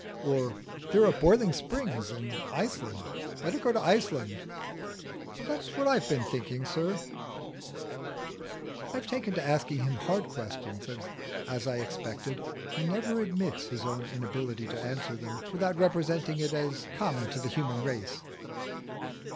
"Or, there are boiling springs in Iceland. Better go to Iceland." "That's what I've been thinking, sir." I have taken to asking him hard questions, and as I expected, he never admits his own inability to answer them without representing it as common to the human race.